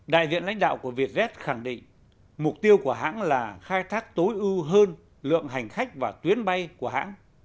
đại diện lãnh đạo của vietjet khẳng định mục tiêu của hãng là khai thác tối ưu hơn lượng hành khách và tuyến bay của hãng